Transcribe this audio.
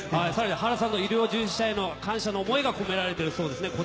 原さんの医療従事者への感謝の想いが込められているそうです。